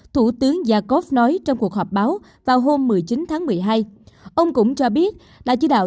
thủ tướng jakov nói trong cuộc họp báo vào hôm một mươi chín tháng một mươi hai ông cũng cho biết đã chỉ đạo